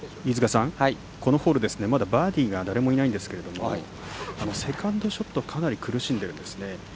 このホール、まだバーディーが誰もいないんですけどセカンドショットはかなり苦しんでるんですね。